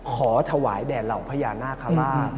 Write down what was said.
ถวายแด่เหล่าพญานาคาราช